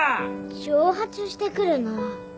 挑発してくるなぁ。